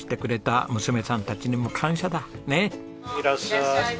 いらっしゃい。